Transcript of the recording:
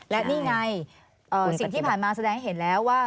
และนี่ไงสิ่งที่ผ่านมาแสดงให้เห็นแล้วว่า